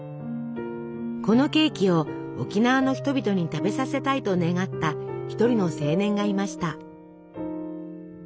このケーキを沖縄の人々に食べさせたいと願った一人の青年がいました。